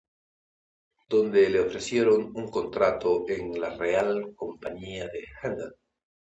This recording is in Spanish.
Donde le ofrecieron un contrato en la Real Compañía de Handel.